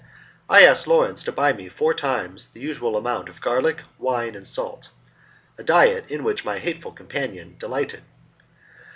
I asked Lawrence to buy me four times the usual amount of garlic, wine, and salt a diet in which my hateful companion delighted.